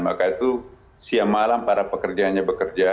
maka itu siang malam para pekerjanya bekerja